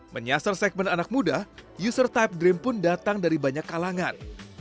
menyasar segmen anak muda user type dream pun datang dari banyak kalangan